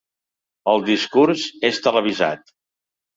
El discurs és televisat.